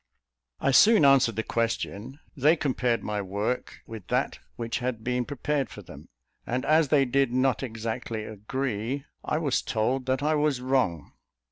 I soon answered the question; they compared my work with that which had been prepared for them; and as they did not exactly agree, I was told that I was wrong.